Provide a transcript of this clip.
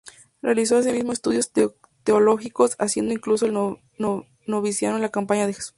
Realizó asimismo estudios teológicos, haciendo incluso el noviciado en la Compañía de Jesús.